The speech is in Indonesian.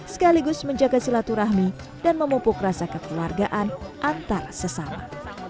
sekaligus menjaga silaturahmi dan memupuk rasa kekeluargaan antar sesama